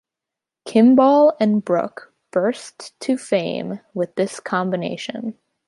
Kimball and Brooke "burst to fame" with this combination.